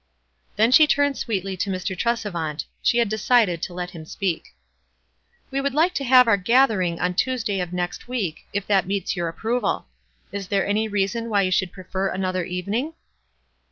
Then she turned sweetly to Mr. Tresevant. She had decided to let him speak. "We would like to have our gathering on WISE AND OTHERWISE. 231 Tuesday of next week, if that meets your ap proval. Is there any reason why you would prefer another evening?"